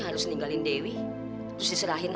kalau kita beli bungkus